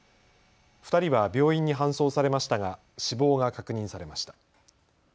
２人は病院に搬送されましたが死亡が確認されました。